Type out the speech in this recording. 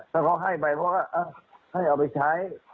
ถ้าเขาให้ไปเขาก็ให้เอาไปใช้